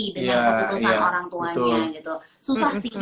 dengan keputusan orang tuanya